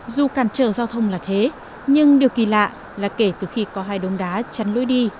dù cản trở giao thông là thế nhưng điều kỳ lạ là kể từ khi có hai đống đá chắn lối đi